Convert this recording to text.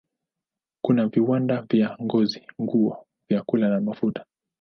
Kuna viwanda vya ngozi, nguo, vyakula na mafuta.